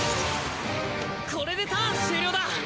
これでターン終了だ！